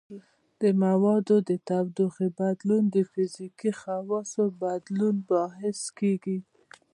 د موادو د تودوخې بدلون د فزیکي خواصو بدلون باعث کیږي.